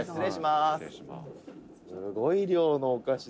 「すごい量のお菓子だ」